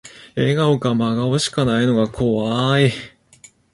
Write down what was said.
笑顔か真顔しかないのが怖い